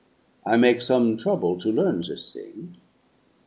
I make some trouble to learn this thing.